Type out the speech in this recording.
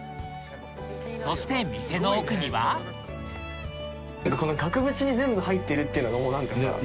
そして店の奥にはこの額縁に全部入ってるっていうのがもう何かさ。